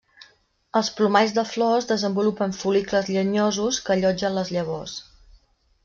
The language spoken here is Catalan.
Els plomalls de flors desenvolupen fol·licles llenyosos que allotgen les llavors.